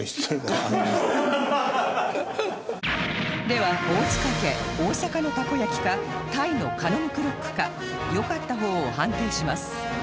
では大塚家大阪のたこ焼きかタイのカノムクロックかよかった方を判定します